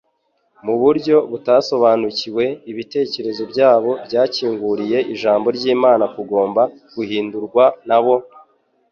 Mu buryo batasobanukiwe, ibitekerezo byabo byakinguriye ijambo ry'Imana bugomba guhindurwa nabo.